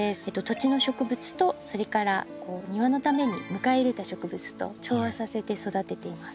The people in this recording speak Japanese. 土地の植物とそれから庭のために迎え入れた植物と調和させて育てています。